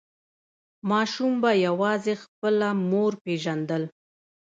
ماشوم به یوازې خپله مور پیژندل.